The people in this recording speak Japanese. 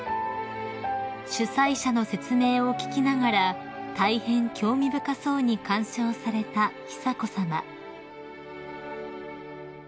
［主催者の説明を聞きながら大変興味深そうに鑑賞された久子さま］